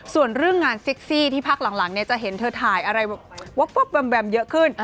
ส่วนเรื่องงานเซ็กซี่ที่พักหลังจะเห็นเธอถ่ายอะไรวับแวมเยอะขึ้น